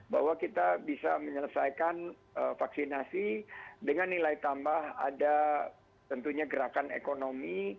bahwa kita bisa menyelesaikan vaksinasi dengan nilai tambah ada tentunya gerakan ekonomi